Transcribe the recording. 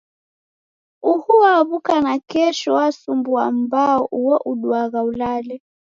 Uhu waw'uka nakesho wasumbua mbao uo uduagha ulale.